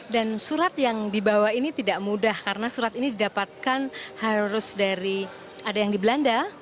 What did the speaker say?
dan surat yang dibawa ini tidak mudah karena surat ini didapatkan harus dari ada yang di belanda